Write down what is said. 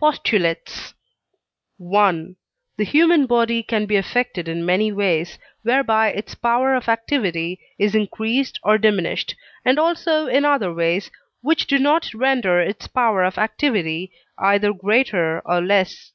POSTULATES I. The human body can be affected in many ways, whereby its power of activity is increased or diminished, and also in other ways which do not render its power of activity either greater or less.